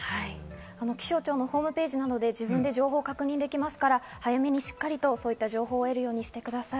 気象庁のホームページなどで自分で情報が確認できますから、早めにそういう行動を取るようにしてください。